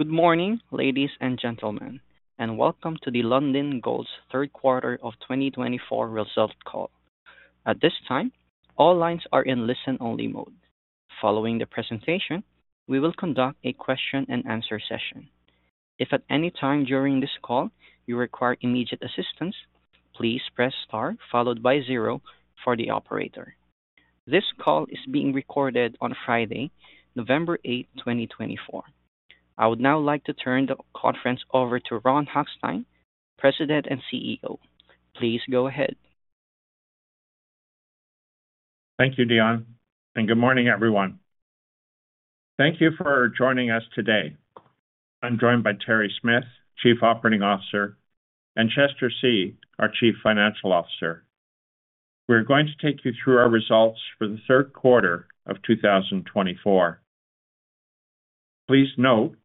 Good morning, ladies and gentlemen, and welcome to the Lundin Gold's Q3 of 2024 results call. At this time, all lines are in listen-only mode. Following the presentation, we will conduct a question-and-answer session. If at any time during this call you require immediate assistance, please press star followed by zero for the operator. This call is being recorded on Friday, November 8, 2024. I would now like to turn the conference over to Ron Hochstein, President and CEO. Please go ahead. Thank you, Dion, and good morning, everyone. Thank you for joining us today. I'm joined by Terry Smith, Chief Operating Officer, and Chester See, our Chief Financial Officer. We're going to take you through our results for the Q3 of 2024. Please note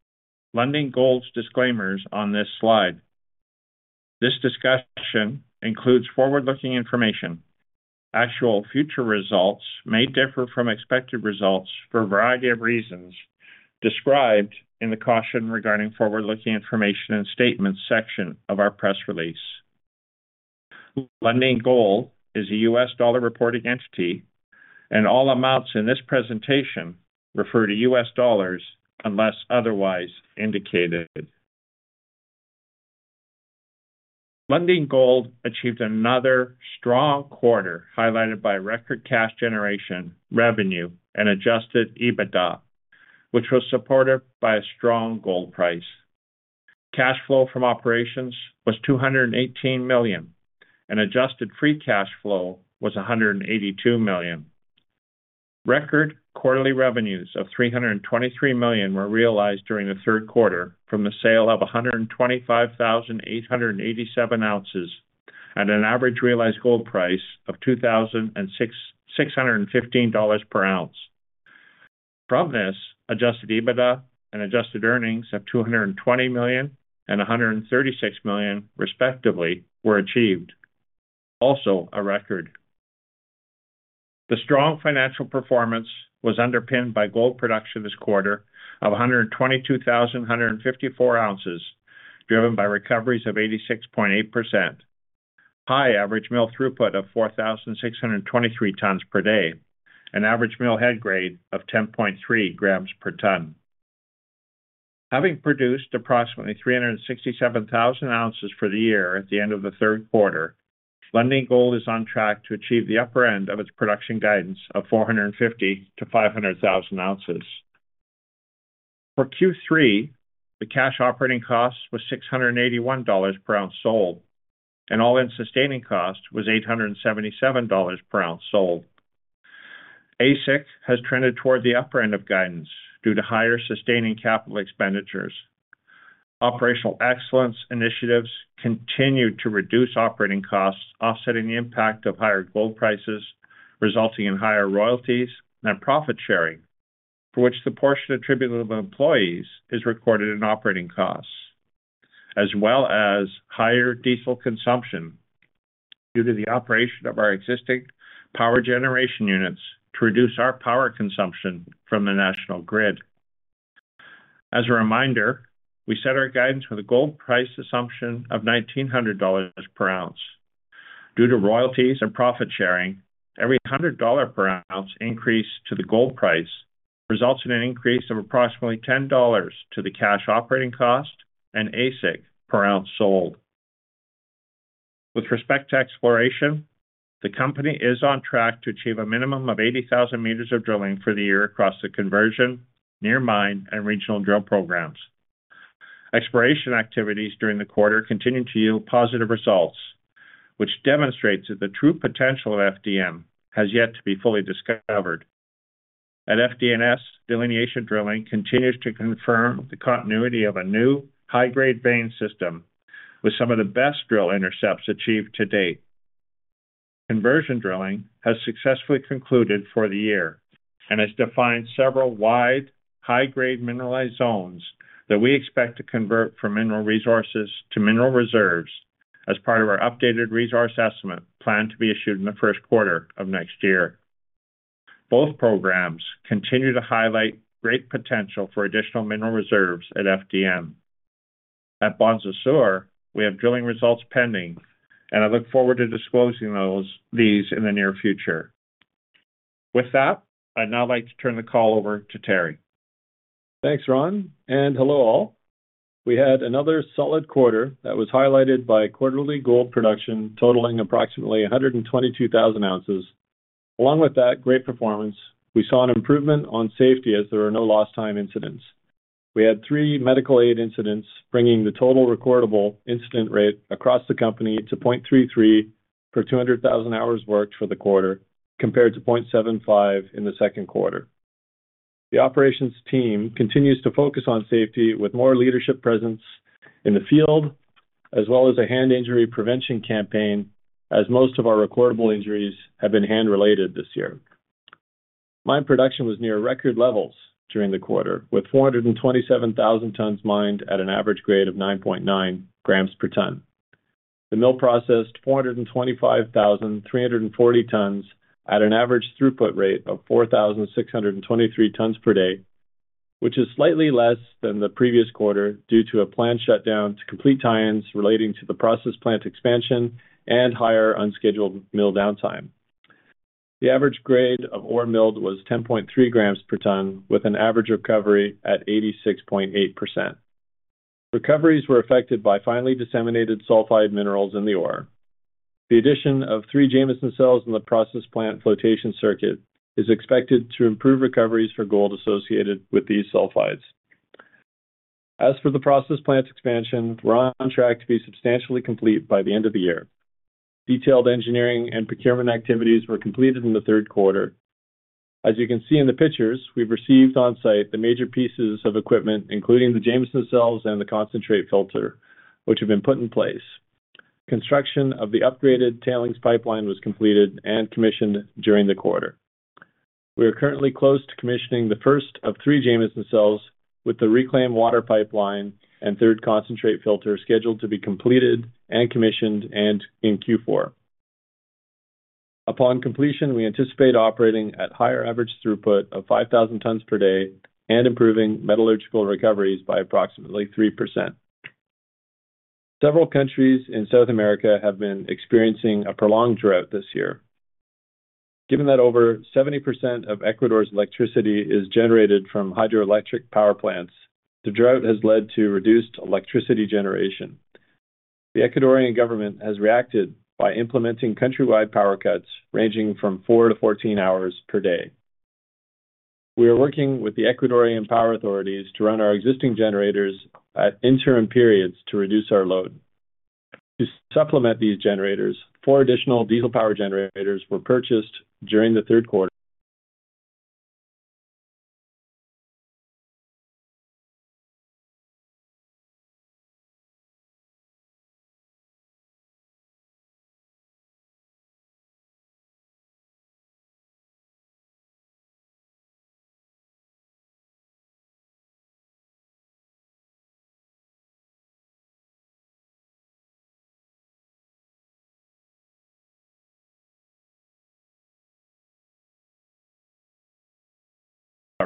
Lundin Gold's disclaimers on this slide. This discussion includes forward-looking information. Actual future results may differ from expected results for a variety of reasons described in the caution regarding forward-looking information and statements section of our press release. Lundin Gold is a U.S. dollar reporting entity, and all amounts in this presentation refer to U.S. dollars unless otherwise indicated. Lundin Gold achieved another strong quarter highlighted by record cash generation revenue and adjusted EBITDA, which was supported by a strong gold price. Cash flow from operations was $218 million, and adjusted free cash flow was $182 million. Record quarterly revenues of $323 million were realized during the Q3 from the sale of 125,887 oz at an average realized gold price of $2,615 per ounce. From this, Adjusted EBITDA and Adjusted Earnings of $220 million and $136 million, respectively, were achieved, also a record. The strong financial performance was underpinned by gold production this quarter of 122,154 oz, driven by recoveries of 86.8%, high average mill throughput of 4,623 tonnes per day, and average mill head grade of 10.3 grams per tonne. Having produced approximately 367,000 oz for the year at the end of the Q3, Lundin Gold is on track to achieve the upper end of its production guidance of 450,000-500,000 oz. For Q3, the cash operating cost was $681 per ounce sold, and all-in sustaining cost was $877 per ounce sold. AISC has trended toward the upper end of guidance due to higher sustaining capital expenditures. Operational excellence initiatives continue to reduce operating costs, offsetting the impact of higher gold prices, resulting in higher royalties and profit sharing, for which the portion attributable to employees is recorded in operating costs, as well as higher diesel consumption due to the operation of our existing power generation units to reduce our power consumption from the national grid. As a reminder, we set our guidance with a gold price assumption of $1,900 per ounce. Due to royalties and profit sharing, every $100 per ounce increase to the gold price results in an increase of approximately $10 to the cash operating cost and AISC per ounce sold. With respect to exploration, the company is on track to achieve a minimum of 80,000 meters of drilling for the year across the conversion, near mine, and regional drill programs. Exploration activities during the quarter continue to yield positive results, which demonstrates that the true potential of FDN has yet to be fully discovered. At FDNS, delineation drilling continues to confirm the continuity of a new high-grade vein system with some of the best drill intercepts achieved to date. Conversion drilling has successfully concluded for the year and has defined several wide, high-grade mineralized zones that we expect to convert from Mineral Resources to Mineral Reserves as part of our updated resource estimate planned to be issued in the Q1 of next year. Both programs continue to highlight great potential for additional Mineral reserves at FDN. At Bonza Sur, we have drilling results pending, and I look forward to disclosing these in the near future. With that, I'd now like to turn the call over to Terry. Thanks, Ron, and hello all. We had another solid quarter that was highlighted by quarterly gold production totaling approximately 122,000 oz. Along with that great performance, we saw an improvement on safety as there were no lost-time incidents. We had three medical aid incidents, bringing the total recordable incident rate across the company to 0.33 per 200,000 hours worked for the quarter, compared to 0.75 in the Q2. The operations team continues to focus on safety with more leadership presence in the field, as well as a hand injury prevention campaign, as most of our recordable injuries have been hand-related this year. Mine production was near record levels during the quarter, with 427,000 tonnes mined at an average grade of 9.9 grams per tonne. The mill processed 425,340 tonnes at an average throughput rate of 4,623 tonnes per day, which is slightly less than the previous quarter due to a planned shutdown to complete tie-ins relating to the process plant expansion and higher unscheduled mill downtime. The average grade of ore milled was 10.3 grams per tonne, with an average recovery at 86.8%. Recoveries were affected by finely disseminated sulfide minerals in the ore. The addition of three Jameson cells in the process plant flotation circuit is expected to improve recoveries for gold associated with these sulfides. As for the process plant's expansion, we're on track to be substantially complete by the end of the year. Detailed engineering and procurement activities were completed in the Q3. As you can see in the pictures, we've received on-site the major pieces of equipment, including the Jameson cells and the concentrate filter, which have been put in place. Construction of the upgraded tailings pipeline was completed and commissioned during the quarter. We are currently close to commissioning the first of three Jameson cells with the reclaimed water pipeline and third concentrate filter scheduled to be completed and commissioned in Q4. Upon completion, we anticipate operating at higher average throughput of 5,000 tons per day and improving metallurgical recoveries by approximately 3%. Several countries in South America have been experiencing a prolonged drought this year. Given that over 70% of Ecuador's electricity is generated from hydroelectric power plants, the drought has led to reduced electricity generation. The Ecuadorian government has reacted by implementing countrywide power cuts ranging from 4 to 14 hours per day. We are working with the Ecuadorian power authorities to run our existing generators at interim periods to reduce our load. To supplement these generators, four additional diesel power generators were purchased during the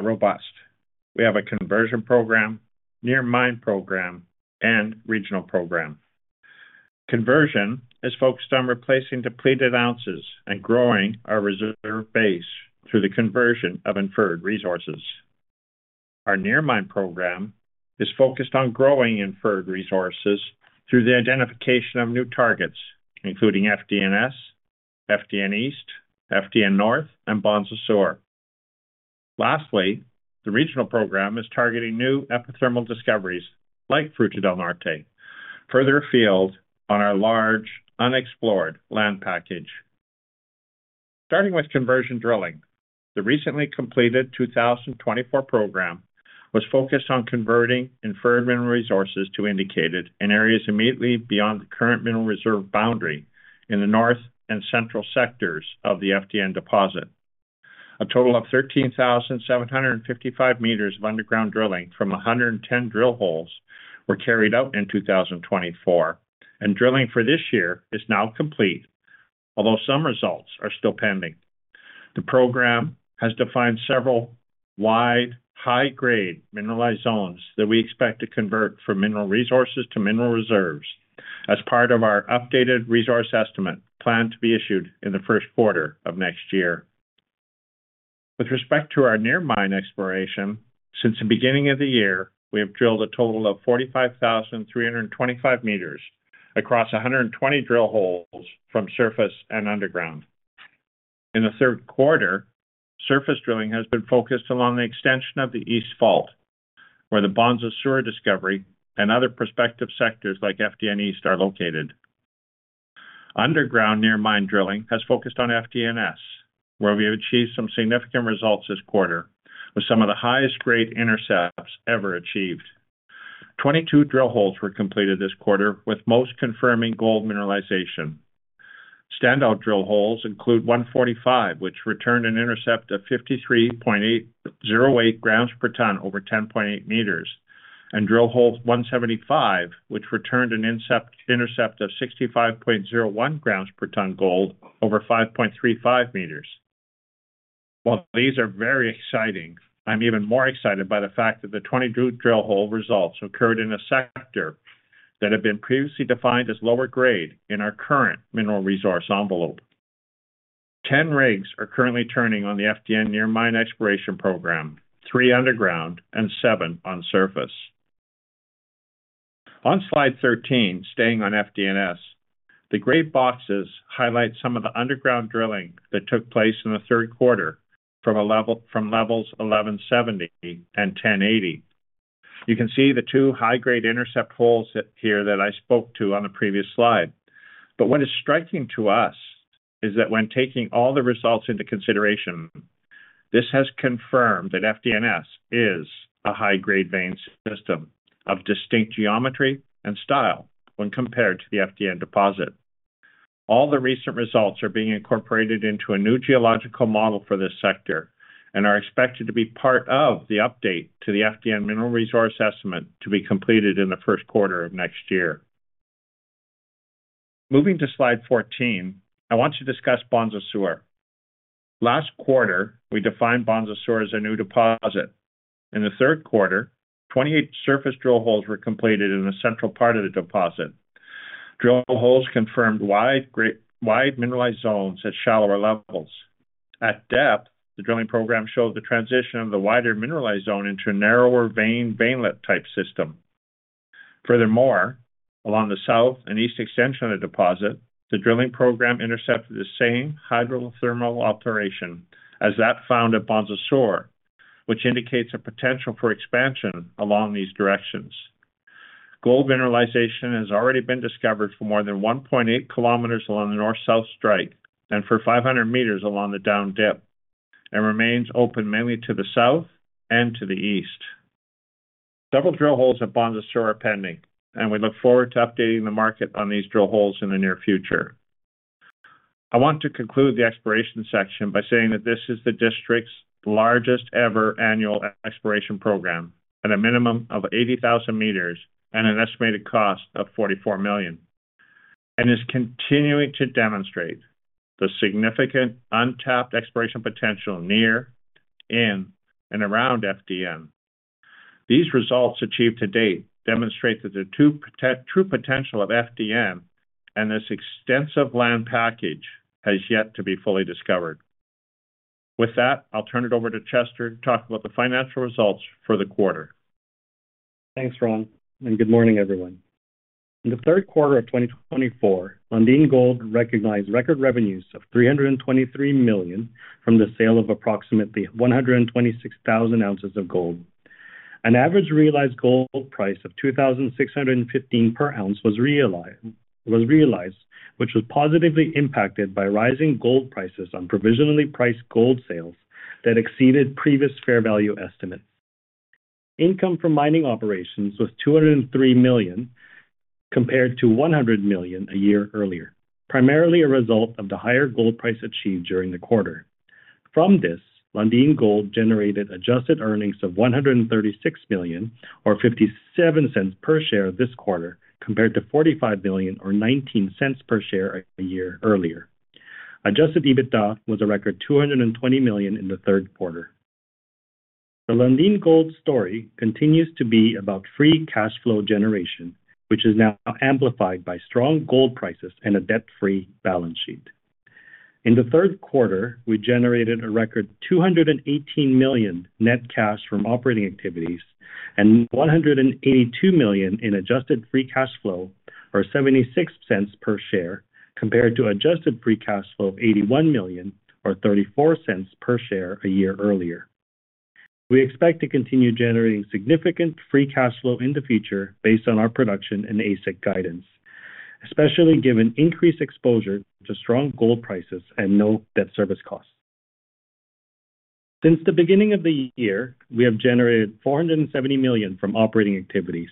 Q3. at Fruta del Norte, we have a conversion program, near mine program, and regional program. Conversion is focused on replacing depleted ounces and growing our reserve base through the conversion of Inferred resources. Our near mine program is focused on growing Inferred resources through the identification of new targets, including FDNS, FDN East, FDN North, and Bonza Sur. Lastly, the regional program is targeting new epithermal discoveries like Fruta del Norte, further afield on our large, unexplored land package. Starting with conversion drilling, the recently completed 2024 program was focused on converting inferred mineral resources to indicated in areas immediately beyond the current mineral reserve boundary in the north and central sectors of the FDN deposit. A total of 13,755 meters of underground drilling from 110 drill holes were carried out in 2024, and drilling for this year is now complete, although some results are still pending. The program has defined several wide, high-grade mineralized zones that we expect to convert from mineral resources to mineral reserves as part of our updated resource estimate planned to be issued in the Q1 of next year. With respect to our near mine exploration, since the beginning of the year, we have drilled a total of 45,325 meters across 120 drill holes from surface and underground. In the Q3, surface drilling has been focused along the extension of the east fault, where the Bonza Sur discovery and other prospective sectors like FDN East are located. Underground near mine drilling has focused on FDNS, where we have achieved some significant results this quarter with some of the highest grade intercepts ever achieved. 22 drill holes were completed this quarter, with most confirming gold mineralization. Standout drill holes include 145, which returned an intercept of 53.808 grams per ton over 10.8 meters, and drill hole 175, which returned an intercept of 65.01 grams per ton gold over 5.35 meters. While these are very exciting, I'm even more excited by the fact that the 22 drill hole results occurred in a sector that had been previously defined as lower grade in our current mineral resource envelope. 10 rigs are currently turning on the FDN near mine exploration program, three underground and seven on surface. On slide 13, staying on FDNS, the gray boxes highlight some of the underground drilling that took place in Q3 from levels 1170 and 1080. You can see the two high-grade intercept holes here that I spoke to on the previous slide. But what is striking to us is that when taking all the results into consideration, this has confirmed that FDNS is a high-grade vein system of distinct geometry and style when compared to the FDN deposit. All the recent results are being incorporated into a new geological model for this sector and are expected to be part of the update to the FDN mineral resource estimate to be completed in Q1 of next year. Moving to slide 14, I want to discuss Bonza Sur. Last quarter, we defined Bonza Sur as a new deposit. In Q3, 28 surface drill holes were completed in the central part of the deposit. Drill holes confirmed wide mineralized zones at shallower levels. At depth, the drilling program showed the transition of the wider mineralized zone into a narrower vein-veinlet type system. Furthermore, along the south and east extension of the deposit, the drilling program intercepted the same hydrothermal alteration as that found at Bonza Sur, which indicates a potential for expansion along these directions. Gold mineralization has already been discovered for more than 1.8 km along the north-south strike and for 500 meters along the down dip and remains open mainly to the south and to the east. Several drill holes at Bonza Sur are pending, and we look forward to updating the market on these drill holes in the near future. I want to conclude the exploration section by saying that this is the district's largest ever annual exploration program at a minimum of 80,000 meters and an estimated cost of $44 million, and is continuing to demonstrate the significant untapped exploration potential near, in, and around FDN. These results achieved to date demonstrate that the true potential of FDN and this extensive land package has yet to be fully discovered. With that, I'll turn it over to Chester to talk about the financial results for the quarter. Thanks, Ron. And good morning, everyone. In the Q3 of 2024, Lundin Gold recognized record revenues of $323 million from the sale of approximately 126,000 oz of gold. An average realized gold price of $2,615 per ounce was realized, which was positively impacted by rising gold prices on provisionally priced gold sales that exceeded previous fair value estimates. Income from mining operations was $203 million compared to $100 million a year earlier, primarily a result of the higher gold price achieved during the quarter. From this, Lundin Gold generated adjusted earnings of $136 million, or $0.57 per share this quarter, compared to $45 million, or $0.19 per share a year earlier. Adjusted EBITDA was a record $220 million in Q3. The Lundin Gold story continues to be about free cash flow generation, which is now amplified by strong gold prices and a debt-free balance sheet. In Q3, we generated a record $218 million net cash from operating activities and $182 million in adjusted free cash flow, or $0.76 per share, compared to adjusted free cash flow of $81 million, or $0.34 per share a year earlier. We expect to continue generating significant free cash flow in the future based on our production and AISC guidance, especially given increased exposure to strong gold prices and no debt service costs. Since the beginning of the year, we have generated $470 million from operating activities,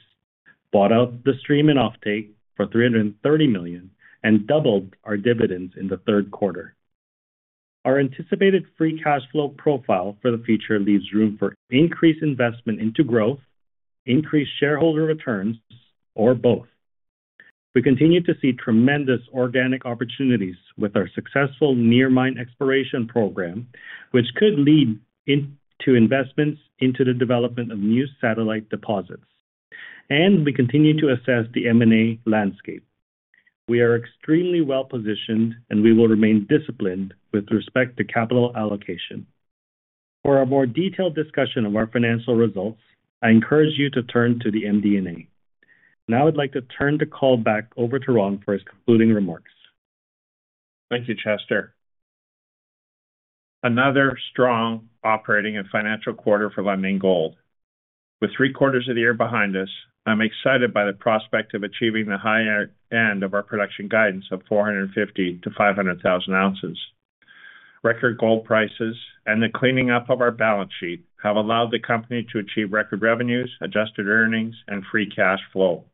bought out the stream and offtake for $330 million, and doubled our dividends in Q3. Our anticipated free cash flow profile for the future leaves room for increased investment into growth, increased shareholder returns, or both. We continue to see tremendous organic opportunities with our successful near mine exploration program, which could lead to investments into the development of new satellite deposits. And we continue to assess the M&A landscape. We are extremely well positioned, and we will remain disciplined with respect to capital allocation. For a more detailed discussion of our financial results, I encourage you to turn to the MD&A. Now I'd like to turn the call back over to Ron for his concluding remarks. Thank you, Chester. Another strong operating and financial quarter for Lundin Gold. With three quarters of the year behind us, I'm excited by the prospect of achieving the high end of our production guidance of 450,000-500,000 oz. Record gold prices and the cleaning up of our balance sheet have allowed the company to achieve record revenues, adjusted earnings, and free cash flow.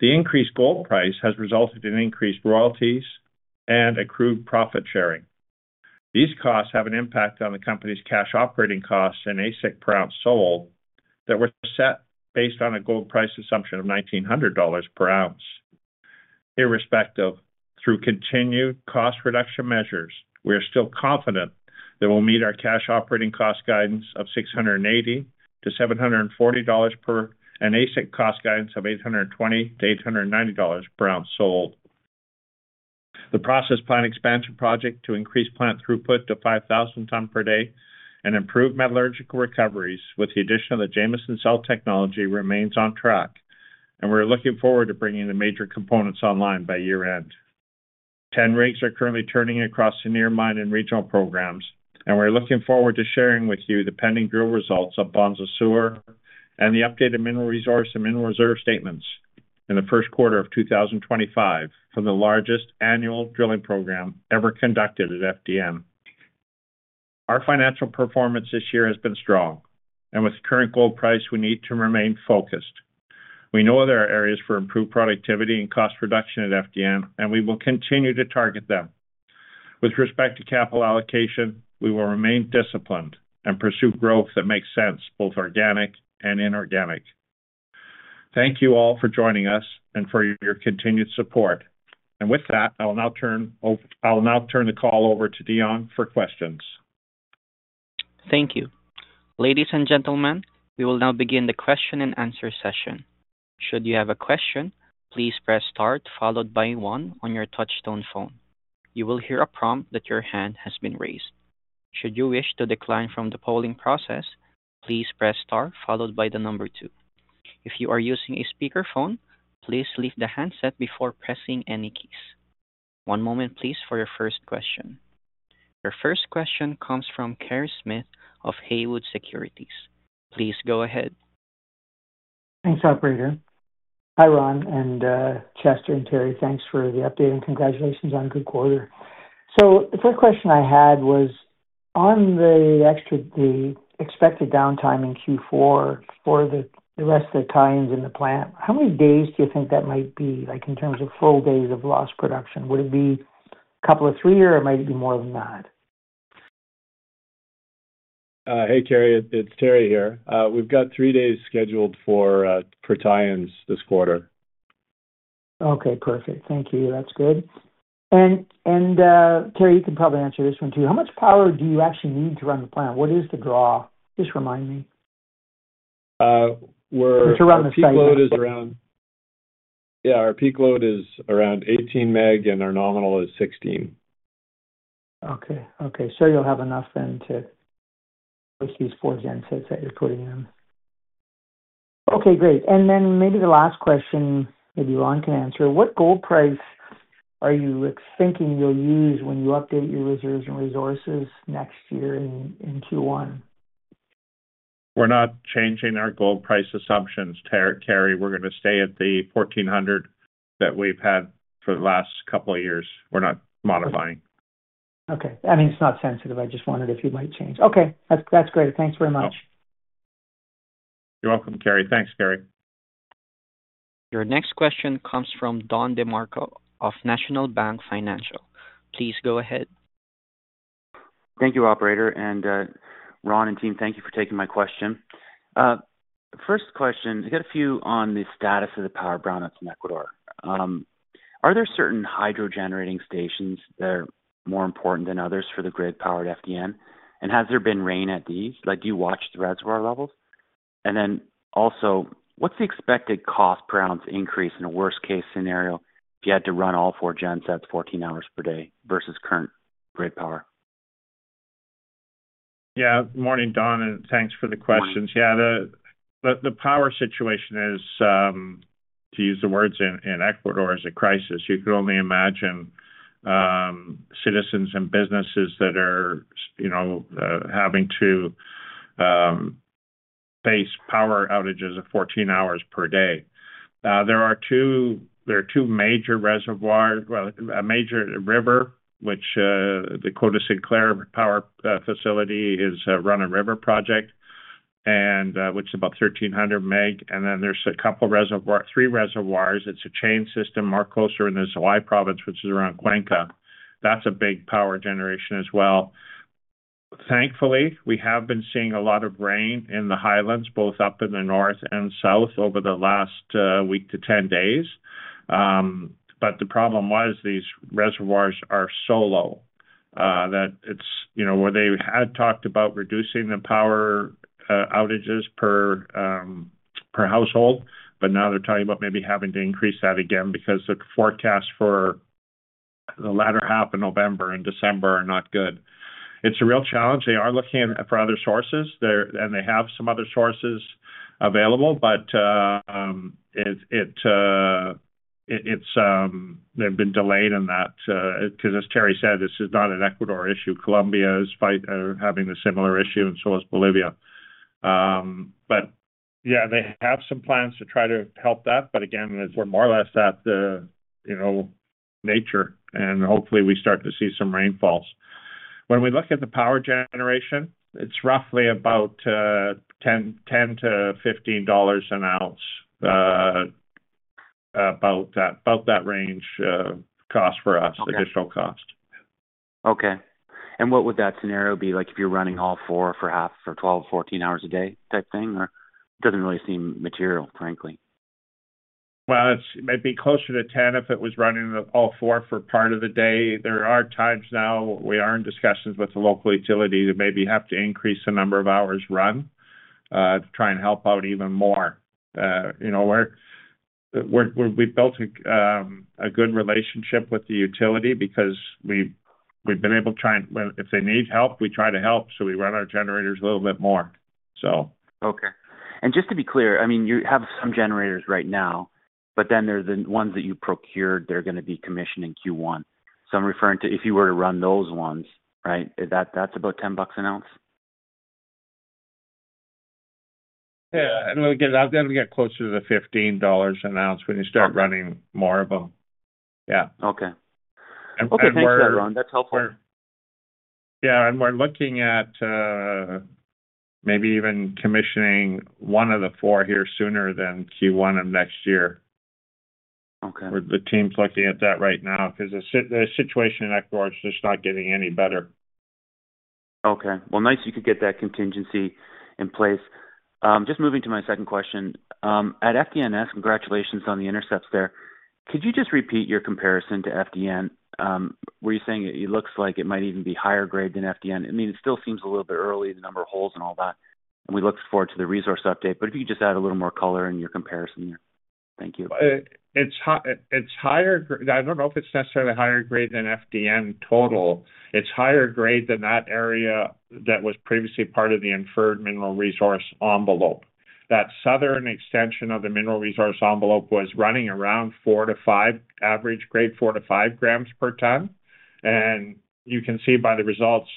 The increased gold price has resulted in increased royalties and accrued profit sharing. These costs have an impact on the company's cash operating costs and AISC per ounce sold that were set based on a gold price assumption of $1,900 per ounce. Irrespective, through continued cost reduction measures, we are still confident that we'll meet our cash operating cost guidance of $680-$740 per ounce and AISC cost guidance of $820-$890 per ounce sold. The process plant expansion project to increase plant throughput to 5,000 tonnes per day and improve metallurgical recoveries with the addition of the Jameson Cell technology remains on track, and we're looking forward to bringing the major components online by year-end. Ten rigs are currently turning across the near mine and regional programs, and we're looking forward to sharing with you the pending drill results of Bonza Sur and the updated mineral resource and mineral reserve statements in the Q1 of 2025 from the largest annual drilling program ever conducted at FDN. Our financial performance this year has been strong, and with current gold price, we need to remain focused. We know there are areas for improved productivity and cost reduction at FDN and we will continue to target them. With respect to capital allocation, we will remain disciplined and pursue growth that makes sense both organic and inorganic. Thank you all for joining us and for your continued support. With that, I'll now turn the call over to Dion for questions. Thank you. Ladies and gentlemen, we will now begin the question-and-answer session. Should you have a question, please press star followed by one on your touch-tone phone. You will hear a prompt that your hand has been raised. Should you wish to decline from the polling process, please press star followed by the number two. If you are using a speakerphone, please leave the handset before pressing any keys. One moment, please, for your first question. Your first question comes from Kerry Smith of Haywood Securities. Please go ahead. Thanks, operator. Hi, Ron. And Chester and Terry, thanks for the update and congratulations on good quarter. So the first question I had was, on the expected downtime in Q4 for the rest of the tie-ins in the plant, how many days do you think that might be in terms of full days of lost production? Would it be a couple of three or might it be more than that? Hey, Kerry, it's Terry here. We've got three days scheduled for tie-ins this quarter. Okay, perfect. Thank you. That's good. And Terry, you can probably answer this one too. How much power do you actually need to run the plant? What is the draw? Just remind me. Our peak load is around. We're on the site. Yeah, our peak load is around 18 meg and our nominal is 16. Okay. So you'll have enough then to push these four gensets that you're putting in. Okay, great. And then maybe the last question. Maybe Ron can answer. What gold price are you thinking you'll use when you update your reserves and resources next year in Q1? We're not changing our gold price assumptions, Kerry. We're going to stay at the $1,400 that we've had for the last couple of years. We're not modifying. Okay. I mean, it's not sensitive. I just wondered if you might change. Okay. That's great. Thanks very much. You're welcome, Kerry. Thanks, Kerry. Your next question comes from Don DeMarco of National Bank Financial. Please go ahead. Thank you, Operator. And Ron and team, thank you for taking my question. First question, I got a few on the status of the power brownouts in Ecuador. Are there certain hydro generating stations that are more important than others for the grid powered FDN? And has there been rain at these? Do you watch the reservoir levels? And then also, what's the expected cost per ounce increase in a worst-case scenario if you had to run all four gensets 14 hours per day versus current grid power? Yeah. Good morning, Don, and thanks for the questions. Yeah, the power situation is, to use the words in Ecuador, a crisis. You could only imagine citizens and businesses that are having to face power outages of 14 hours per day. There are two major reservoirs, a major river, which the Coca Codo Sinclair Power Facility is a run-of-river project, which is about 1,300 meg. And then there's a couple of reservoirs, three reservoirs. It's a chain system more closer in the Azuay Province, which is around Cuenca. That's a big power generation as well. Thankfully, we have been seeing a lot of rain in the highlands, both up in the north and south, over the last week to 10 days. But the problem was these reservoirs are so low that it's where they had talked about reducing the power outages per household, but now they're talking about maybe having to increase that again because the forecast for the latter half of November and December are not good. It's a real challenge. They are looking for other sources, and they have some other sources available, but they've been delayed in that because, as Terry said, this is not an Ecuador issue. Colombia is having a similar issue, and so is Bolivia. But yeah, they have some plans to try to help that, but again, we're more or less at nature, and hopefully we start to see some rainfalls. When we look at the power generation, it's roughly about $10-$15 an ounce, about that range cost for us, additional cost. Okay, and what would that scenario be like if you're running all four for half, for 12-14 hours a day type thing? It doesn't really seem material, frankly. It might be closer to 10 if it was running all four for part of the day. There are times now we are in discussions with the local utility to maybe have to increase the number of hours run to try and help out even more. We've built a good relationship with the utility because we've been able to try and if they need help, we try to help, so we run our generators a little bit more, so. Okay, and just to be clear, I mean, you have some generators right now, but then there are the ones that you procured that are going to be commissioned in Q1, so I'm referring to if you were to run those ones, right, that's about $10 an ounce? Yeah. And we'll get closer to the $15 an ounce when you start running more of them. Yeah. Okay. Okay. Thanks for that, Ron. That's helpful. Yeah. And we're looking at maybe even commissioning one of the four here sooner than Q1 of next year. The team's looking at that right now because the situation in Ecuador is just not getting any better. Okay. Well, nice you could get that contingency in place. Just moving to my second question. At FDNS, congratulations on the intercepts there. Could you just repeat your comparison to FDNS? Were you saying it looks like it might even be higher grade than FDN? I mean, it still seems a little bit early, the number of holes and all that, and we look forward to the resource update, but if you could just add a little more color in your comparison there. Thank you. It's higher grade. I don't know if it's necessarily higher grade than FDN total. It's higher grade than that area that was previously part of the Inferred Mineral Resource Envelope. That southern extension of the mineral resource envelope was running around four to five, average grade four to five grams per ton, and you can see by the results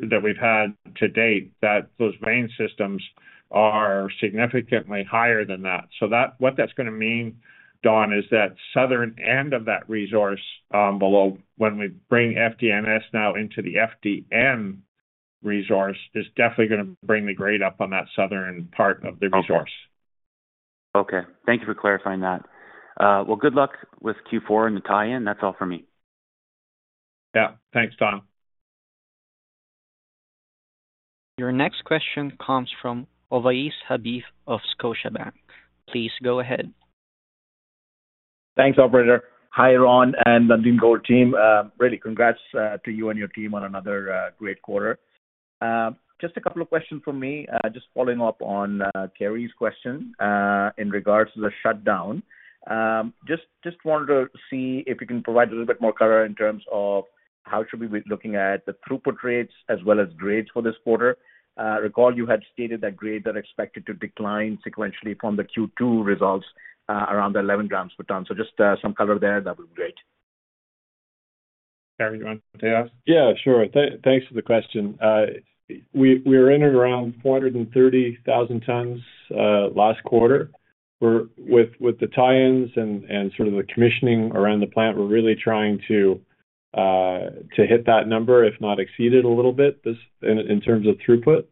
that we've had to date that those vein systems are significantly higher than that, so what that's going to mean, Don, is that southern end of that resource envelope when we bring FDNS now into the FDN resource is definitely going to bring the grade up on that southern part of the resource. Okay. Thank you for clarifying that. Well, good luck with Q4 and the tie-in. That's all for me. Yeah. Thanks, Don. Your next question comes from Ovais Habib of Scotiabank. Please go ahead. Thanks, Operator. Hi, Ron, and the Lundin Gold team. Really, congrats to you and your team on another great quarter. Just a couple of questions for me, just following up on Kerry's question in regards to the shutdown. Just wanted to see if you can provide a little bit more color in terms of how should we be looking at the throughput rates as well as grades for this quarter. Recall you had stated that grades are expected to decline sequentially from the Q2 results around the 11 grams per ton. So just some color there, that would be great. Terry, do you want to take that? Yeah, sure. Thanks for the question. We were in and around 430,000 tonnes last quarter. With the tie-ins and sort of the commissioning around the plant, we're really trying to hit that number, if not exceed it a little bit, in terms of throughput,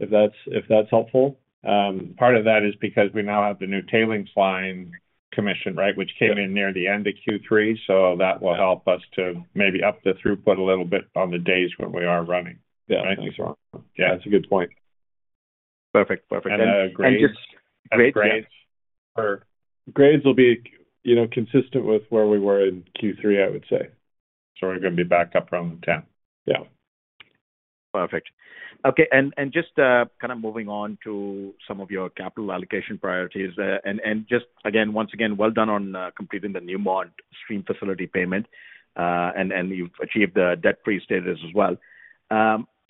if that's helpful. Part of that is because we now have the new tailings line commissioned, right, which came in near the end of Q3, so that will help us to maybe up the throughput a little bit on the days when we are running. Yeah. Thanks, Ron. Yeah, that's a good point. Perfect. Perfect. And just. Grades will be consistent with where we were in Q3, I would say. So we're going to be back up around 10. Yeah. Perfect. Okay. And just kind of moving on to some of your capital allocation priorities. And just again, once again, well done on completing the new gold stream facility payment, and you've achieved the debt-free status as well.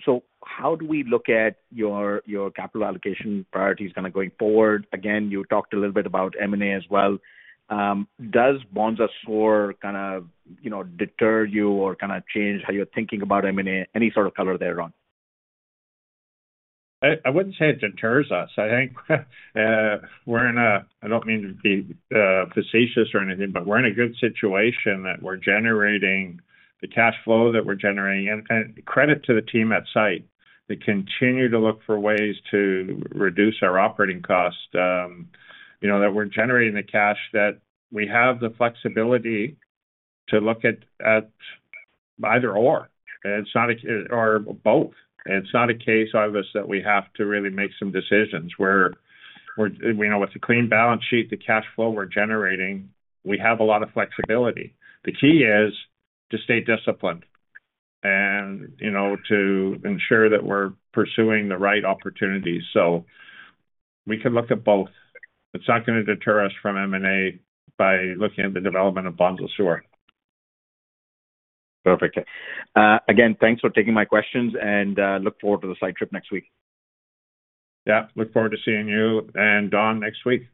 So how do we look at your capital allocation priorities kind of going forward? Again, you talked a little bit about M&A as well. Does Bonza Sur kind of deter you or kind of change how you're thinking about M&A? Any sort of color there, Ron? I wouldn't say it deters us. I think we're in a—I don't mean to be facetious or anything, but we're in a good situation that we're generating the cash flow that we're generating and credit to the team at site to continue to look for ways to reduce our operating costs, that we're generating the cash that we have the flexibility to look at either/or or both. It's not a case of us that we have to really make some decisions where we know with the clean balance sheet, the cash flow we're generating, we have a lot of flexibility. The key is to stay disciplined and to ensure that we're pursuing the right opportunities. So we can look at both. It's not going to deter us from M&A by looking at the development of Bonza Sur. Perfect. Again, thanks for taking my questions, and look forward to the site trip next week. Yeah. Look forward to seeing you and Don next week.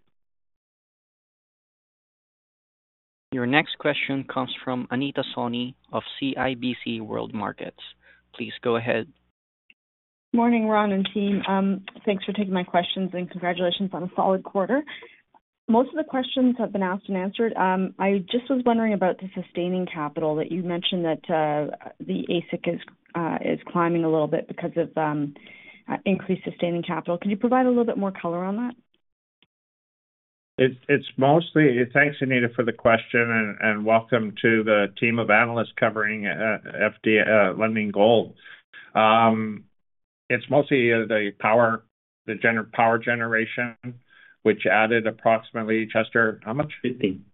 Your next question comes from Anita Soni of CIBC World Markets. Please go ahead. Morning, Ron and team. Thanks for taking my questions and congratulations on a solid quarter. Most of the questions have been asked and answered. I just was wondering about the sustaining capital that you mentioned that the AISC is climbing a little bit because of increased sustaining capital. Can you provide a little bit more color on that? Thanks, Anita, for the question, and welcome to the team of analysts covering Lundin Gold. It's mostly the power generation, which added approximately, Chester, how much? 15.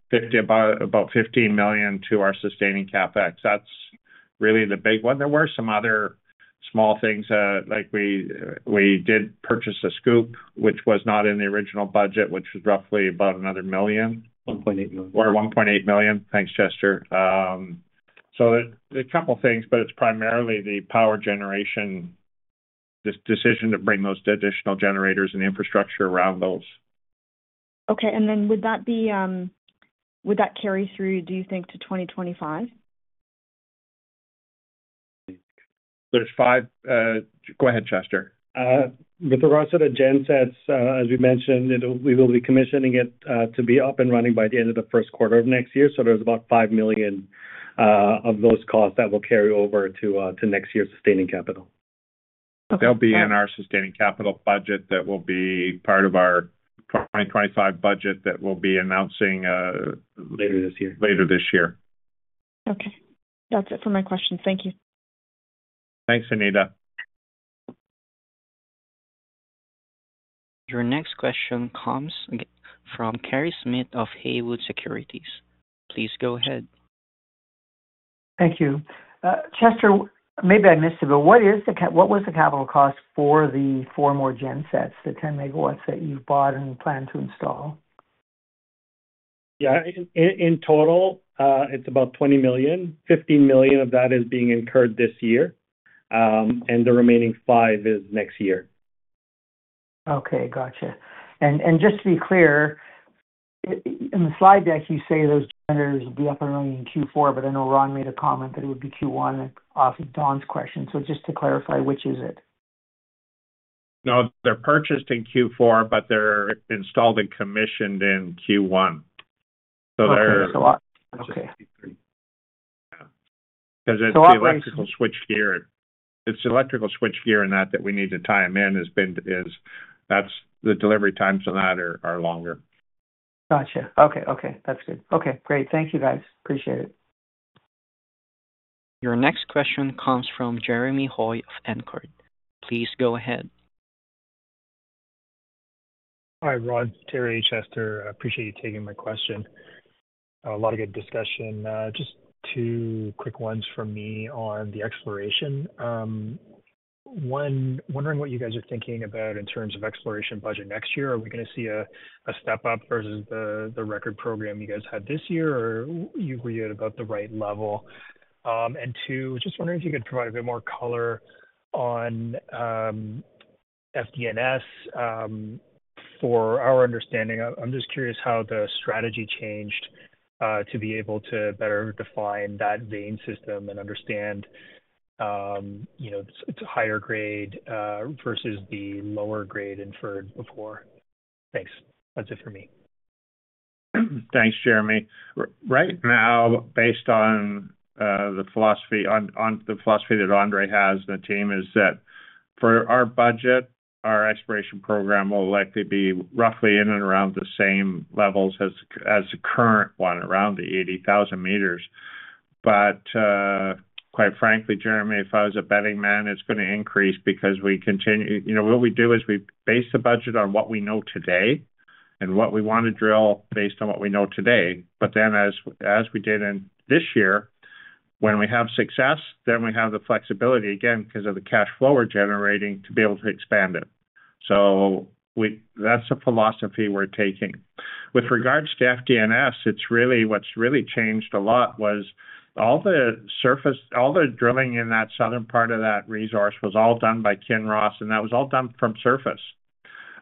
About $15 million to our sustaining CapEx. That's really the big one. There were some other small things. We did purchase a scoop, which was not in the original budget, which was roughly about another million. 1.8 million. Or $1.8 million. Thanks, Chester. So a couple of things, but it's primarily the power generation, this decision to bring those additional generators and the infrastructure around those. Okay. And then would that carry through, do you think, to 2025? There's five, go ahead, Chester. With regards to the gensets, as we mentioned, we will be commissioning it to be up and running by the end of Q1 of next year. So there's about $5 million of those costs that will carry over to next year's sustaining capital. They'll be in our sustaining capital budget that will be part of our 2025 budget that we'll be announcing. Later this year. Later this year. Okay. That's it for my questions. Thank you. Thanks, Anita. Your next question comes from Kerry Smith of Haywood Securities. Please go ahead. Thank you. Chester, maybe I missed it, but what was the capital cost for the four more gensets, the 10 MW that you've bought and plan to install? Yeah. In total, it's about $20 million. $15 million of that is being incurred this year, and the remaining $5 million is next year. Okay. Gotcha. And just to be clear, in the slide deck, you say those generators will be up and running in Q4, but I know Ron made a comment that it would be Q1 off of Don's question. So just to clarify, which is it? No, they're purchased in Q4, but they're installed and commissioned in Q1. There's a lot. Okay. Because it's the electrical switchgear. It's the electrical switchgear in that we need to tie them in. The delivery times on that are longer. Gotcha. Okay. Okay. That's good. Okay. Great. Thank you, guys. Appreciate it. Your next question comes from Jeremy Hoy of Canaccord Genuity. Please go ahead. Hi, Ron, Terry, Chester. Appreciate you taking my question. A lot of good discussion. Just two quick ones from me on the exploration. One, wondering what you guys are thinking about in terms of exploration budget next year. Are we going to see a step up versus the record program you guys had this year, or were you at about the right level? And two, just wondering if you could provide a bit more color on FDNS for our understanding. I'm just curious how the strategy changed to be able to better define that vein system and understand it's a higher grade versus the lower grade inferred before. Thanks. That's it for me. Thanks, Jeremy. Right now, based on the philosophy that Andre has and the team, is that for our budget, our exploration program will likely be roughly in and around the same levels as the current one, around the 80,000 meters. But quite frankly, Jeremy, if I was a betting man, it's going to increase because we continue, what we do is we base the budget on what we know today and what we want to drill based on what we know today. But then, as we did this year, when we have success, then we have the flexibility again because of the cash flow we're generating to be able to expand it. So that's the philosophy we're taking. With regards to FDNS, what's really changed a lot was all the drilling in that southern part of that resource was all done by Kinross, and that was all done from surface.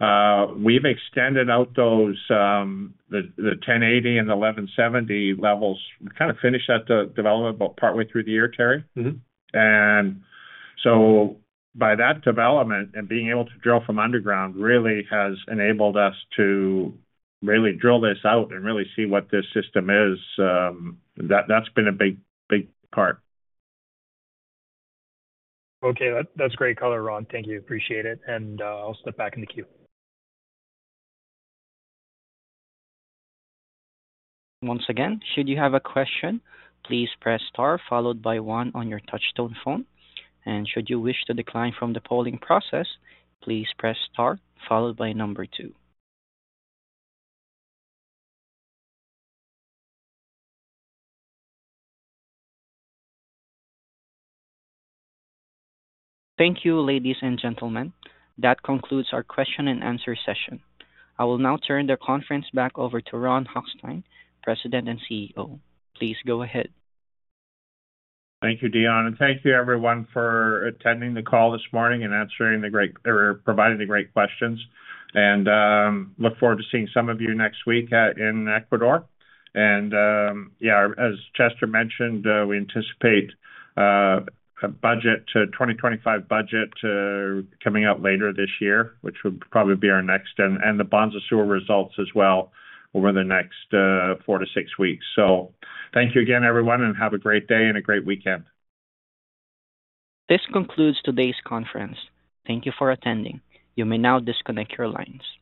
We've extended out the 1080 and the 1170 levels. We kind of finished that development about partway through the year, and so by that development and being able to drill from underground really has enabled us to really drill this out and really see what this system is. That's been a big part. Okay. That's great color, Ron. Thank you. Appreciate it, and I'll step back in the queue. Once again, should you have a question, please press star followed by one on your touch-tone phone. Should you wish to decline from the polling process, please press star followed by number two. Thank you, ladies and gentlemen. That concludes our question-and-answer session. I will now turn the conference back over to Ron Hochstein, President and CEO. Please go ahead. Thank you, Dion. And thank you, everyone, for attending the call this morning and providing the great questions. And look forward to seeing some of you next week in Ecuador. And yeah, as Chester mentioned, we anticipate a 2025 budget coming out later this year, which would probably be our next, and the Bonza Sur results as well over the next four to six weeks. So thank you again, everyone, and have a great day and a great weekend. This concludes today's conference. Thank you for attending. You may now disconnect your lines.